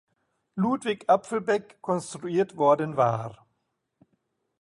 Ludwig Apfelbeck konstruiert worden war.